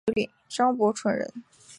张伯淳人。